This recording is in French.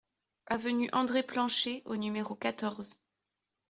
Avenue André Planchet au numéro quatorze